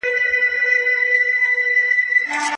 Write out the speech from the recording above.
له خپلو ملګرو او کورنۍ سره تل حلیم اوسئ.